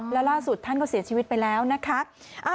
แล้วล่าสุดท่านก็เสียชีวิตไปแล้วนะคะ